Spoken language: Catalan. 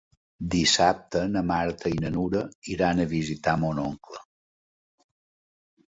Dissabte na Marta i na Nura iran a visitar mon oncle.